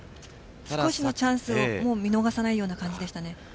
少しのチャンスを見逃さないような感じでしたね。